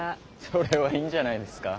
それはいいんじゃないですか？